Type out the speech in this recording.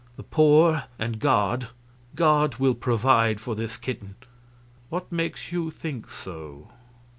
The poor and God. God will provide for this kitten." "What makes you think so?"